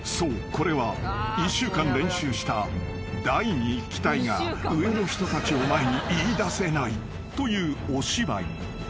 これは１週間練習した大に行きたいが上の人たちを前に言いだせないというお芝居］